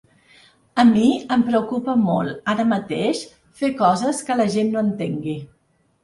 A mi em preocupa molt, ara mateix, fer coses que la gent no entengui.